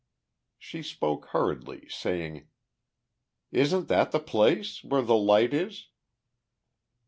She spoke hurriedly, saying: "Isn't that the place? Where the light is?"